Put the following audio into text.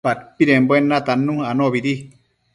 padpidembuen natannu anobidi